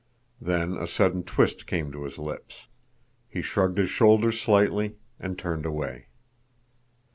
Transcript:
Then a sudden twist came to his lips; he shrugged his shoulders slightly and turned away.